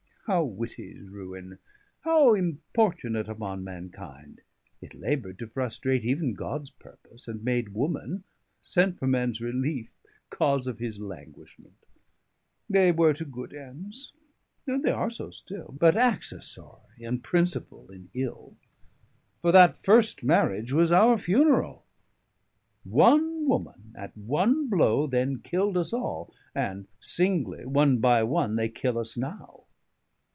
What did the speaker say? How witty's ruine! how importunate Upon mankinde! it labour'd to frustrate 100 Even Gods purpose; and made woman, sent For mans reliefe, cause of his languishment. They were to good ends, and they are so still, But accessory, and principall in ill; For that first marriage was our funerall: 105 One woman at one blow, then kill'd us all, And singly, one by one, they kill us now.